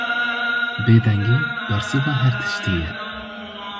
Bêdengî, bersiva her tiştî ye.